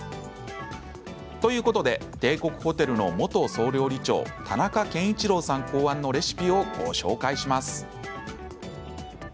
ということで帝国ホテルの元総料理長田中健一郎さん考案のレシピをご紹介します。